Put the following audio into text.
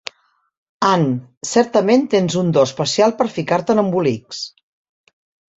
Anne, certament tens un do especial per ficar-te en embolics.